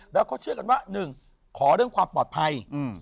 แล้วก็เชื่อกันว่า๑ขอเรื่องความปลอดภัย